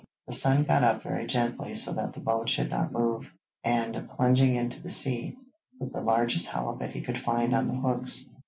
The son got up very gently so that the boat should not move, and, plunging into the sea, put the largest halibut he could find on the hooks.